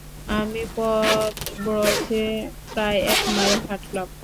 আমি পদব্রজে প্রায় এক মাইল হাটলাম।